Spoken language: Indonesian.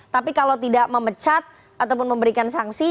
tapi kalau tidak memecat ataupun memberikan sanksi